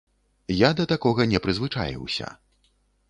Я да такога не прызвычаіўся.